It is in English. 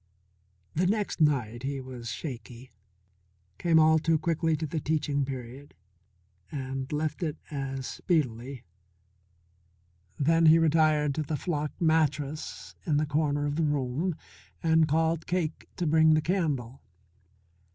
The next night he was shaky, came all too quickly to the teaching period, and left it as speedily. Then he retired to the flock mattress in the corner of the room and called Cake to bring the candle.